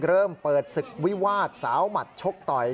เริ่มเปิดศึกวิวาสสาวหมัดชกต่อย